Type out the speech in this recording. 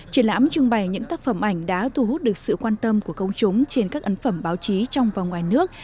triển lãm trưng bày những tác phẩm ảnh đã thu hút được sự quan tâm của công chúng trên các ấn phẩm báo chí trong và ngoài nước